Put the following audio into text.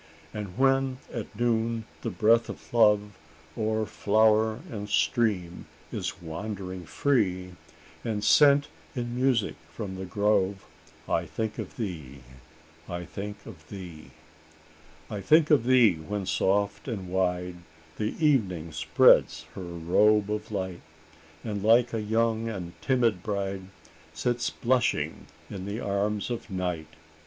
And when at Noon the breath of love O'er flower and stream is wandering free, And sent in music from the grove, I think of thee I think of thee! "I think of thee, when soft and wide The Evening spreads her robe of light; And, like a young and timid bride, Sits blushing in the arms of night.